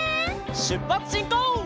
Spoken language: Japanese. しゅっぱつしんこう！